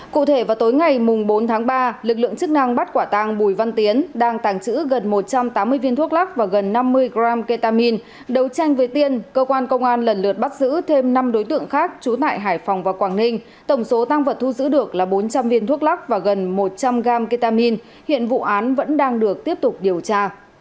cụ thể vào tối ngày bốn tháng ba lực lượng chức năng bắt quả tàng bùi văn tiến đang tàng trữ gần một trăm tám mươi viên thuốc lắc và gần năm mươi gram ketamin đấu tranh với tiên cơ quan công an lần lượt bắt giữ thêm năm đối tượng khác trú tại hải phòng và quảng ninh tổng số tăng vật thu giữ được là bốn trăm linh viên thuốc lắc và gần một trăm linh gram ketamin hiện vụ án vẫn đang được tiếp tục điều tra